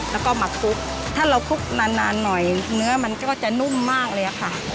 แล้วก็หมักซุกถ้าเราคลุกนานนานหน่อยเนื้อมันก็จะนุ่มมากเลยค่ะ